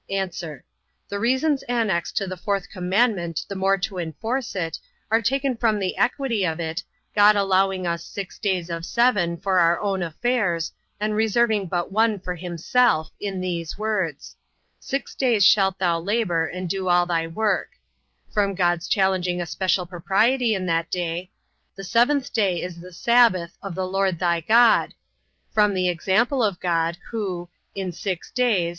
A. The reasons annexed to the fourth commandment, the more to enforce it, are taken from the equity of it, God allowing us six days of seven for our own affairs, and reserving but one for himself, in these words, Six days shalt thou labor, and do all thy work: from God's challenging a special propriety in that day, The seventh day is the sabbath of the LORD thy God: from the example of God, who in six days